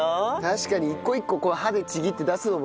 確かに一個一個こう歯でちぎって出すのもね